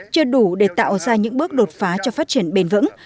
chưa đủ để tạo ra những bước đột phá cho phát triển bền vững